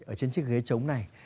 ở trên chiếc ghế trống này